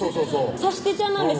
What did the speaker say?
察してちゃんなんです